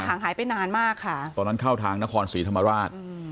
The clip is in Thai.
หายไปนานมากค่ะตอนนั้นเข้าทางนครศรีธรรมราช